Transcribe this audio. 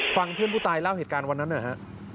ฟังเพื่อนผู้ตายเล่าเหตุการณ์วันนั้นหน่อยฮะ